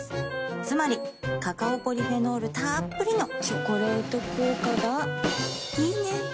つまりカカオポリフェノールたっぷりの「チョコレート効果」がいいね。